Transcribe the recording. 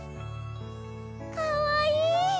かわいい！